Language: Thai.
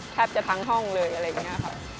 แทบจะทั้งห้องเลยอะไรอย่างนี้ครับ